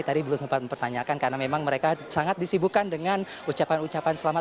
tadi belum sempat mempertanyakan karena memang mereka sangat disibukan dengan ucapan ucapan selamat